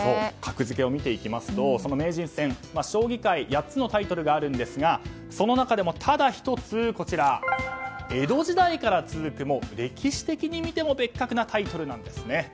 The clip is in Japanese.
格付けを見ていきますとその名人戦将棋界８つのタイトルがあるんですがその中でもただ１つ江戸時代から続く歴史的に見ても別格なタイトルなんですね。